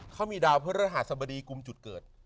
เขามีดาวเพื่อรัฐหาสบดีกลุ่มจุดเกิด